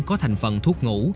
có thành phần thuốc ngủ